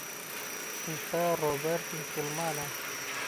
ئێستا ڕۆبەرت موسڵمانە.